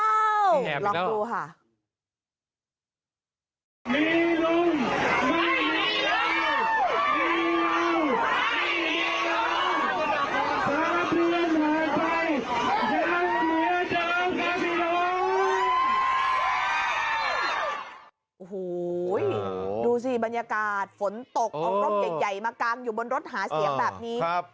สาเทียนหายไปยังเหนือเจ้ากาฟิโรโอ้โหโอ้โหดูสิบรรยากาศฝนตกออกรบใหญ่ใหญ่มากังอยู่บนรถหาเสียงแบบนี้ครับ